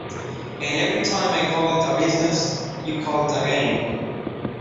And every time I call it a business, you call it a game.